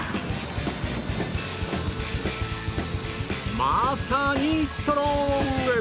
まさにストロング！